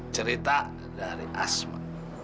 cerita dari asma